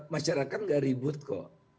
masyarakat tidak ribut kok